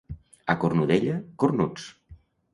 A Cornudella, cornuts.